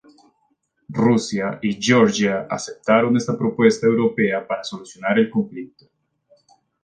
Rusia y Georgia aceptaron esta propuesta europea para solucionar el conflicto.